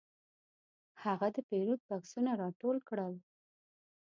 هغه د پیرود بکسونه راټول کړل.